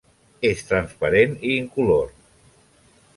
És transparent i incolor.